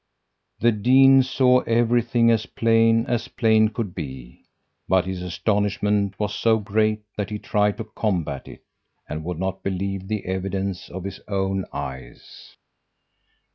"The dean saw everything as plain as plain could be, but his astonishment was so great that he tried to combat it, and would not believe the evidence of his own eyes.